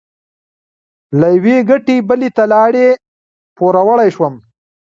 له یوې ګټې بلې ته لاړې؛ پوروړی شوم.